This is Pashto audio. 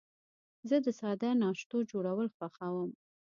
زه د ساده ناشتو جوړول خوښوم.